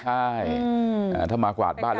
ใช่ถ้ามากวาดบ้าน